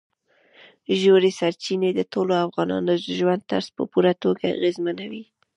ژورې سرچینې د ټولو افغانانو د ژوند طرز په پوره توګه اغېزمنوي.